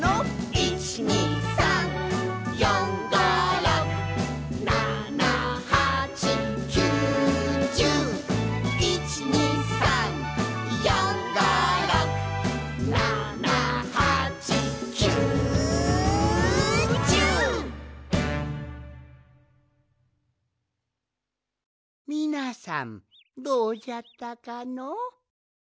「１２３４５６７８９１０」「１２３４５６７８９１０」みなさんどうじゃったかの？